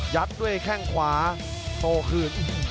ยัดด้วยแค่งขวาโตขึ้น